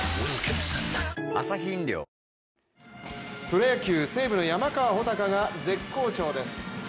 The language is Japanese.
プロ野球、西武の山川穂高が絶好調です。